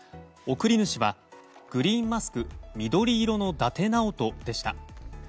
送り主は、グリーンマスク緑色の伊達直人でした。